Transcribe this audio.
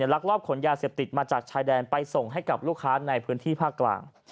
ลักลอบขนยาเสพติดมาจากชายแดนไปส่งให้กับลูกค้าในพื้นที่ภาคกลาง